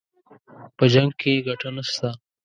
په جـنګ كښې ګټه نشته